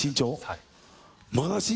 はい。